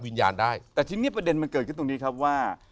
วิญญาณได้แต่ทีนี้ประเด็นมันเกิดขึ้นตรงนี้ครับว่า